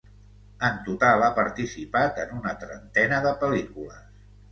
En total ha participat en una trentena de pel·lícules.